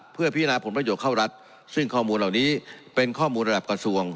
เพื่อพิจารณาผลประโยชน์เข้ารัฐซึ่งข้อมูลเหล่านี้เป็นข้อมูลระดับกระทรวง